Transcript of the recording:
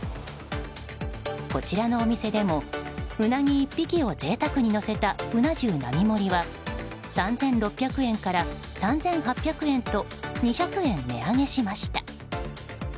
こちらのお店でもウナギ１匹を贅沢にのせたうな重並盛りは３６００円から３８００円と２００円値上げしました。